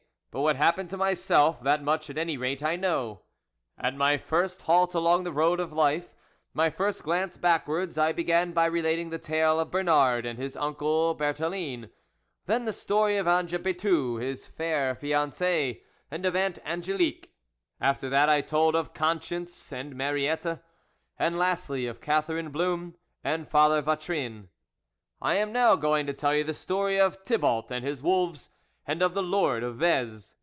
But what happened to myself, that much at any rate I know. At my first halt along the road of life, my first glance backwards, I began by relating the tale of Bernard and his uncle Berthelin, then the story of Ange Pitou, his fair fianc&e, and of Aunt Ang6lique ; after that I told of Conscience and Mari ette ; and lastly of Catherine Blum and Father Vatrin. I am now going to tell you the story of Thibault and his wolves, and of the Lord of Vez.